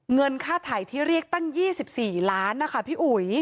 เงินค่าถ่ายที่เรียกตั้ง๒๔ล้านนะคะพี่อุ๋ย